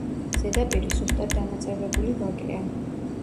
ზედაპირი სუსტად დანაწევრებული ვაკეა.